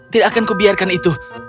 tidak akan kubiarkan itu